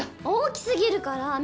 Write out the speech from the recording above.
大きすぎるから！